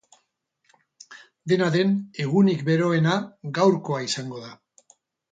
Dena den, egunik beroena gaurkoa izango da.